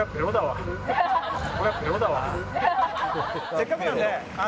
せっかくなんで。